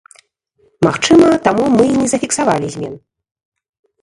Магчыма, таму мы і не зафіксавалі змен.